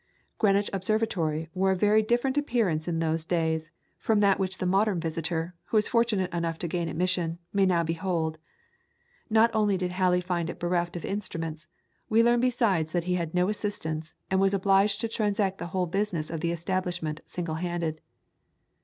Greenwich Observatory wore a very different appearance in those days, from that which the modern visitor, who is fortunate enough to gain admission, may now behold. Not only did Halley find it bereft of instruments, we learn besides that he had no assistants, and was obliged to transact the whole business of the establishment single handed.